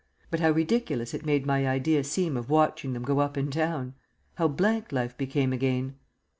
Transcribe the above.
But how ridiculous it made my idea seem of watching them go up and down! How blank life became again!